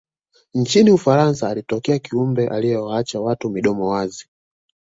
nchini ufaransa alitokea kiumbe aliyewaacha watu midomo wazi